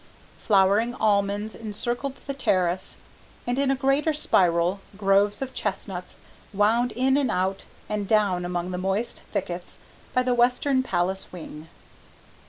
Flowering almonds encircled the terrace, and, in a greater spiral, groves of chestnuts wound in and out and down among the moist thickets by the western palace wing.